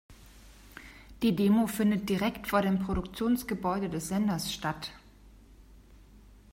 Die Demo findet direkt vor dem Produktionsgebäude des Senders statt.